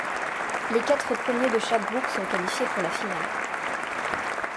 Les quatre premiers de chaque groupe sont qualifiés pour la finale.